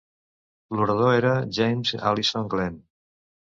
L'Orador era James Allison Glen.